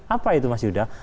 apa itu mas yuda